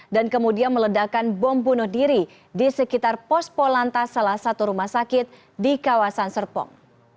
dan kemudian meledakan bom bunuh diri di sekitar pos pol lantas salah satu rumah sakit di kawasan serpong